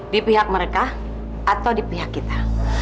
di pihak mereka atau di pihak kita